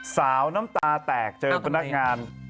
สาวน้ำตาแตกเจอพนักงาน